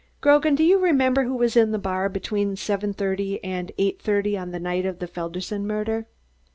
"Grogan, do you remember who was in the bar between seven thirty and eight thirty on the night of the Felderson murder?"